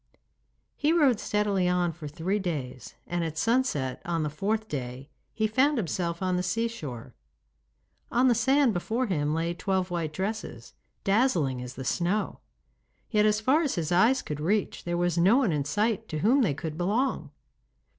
He rode steadily on for three days, and at sunset on the fourth day he found himself on the seashore. On the sand before him lay twelve white dresses, dazzling as the snow, yet as far as his eyes could reach there was no one in sight to whom they could belong.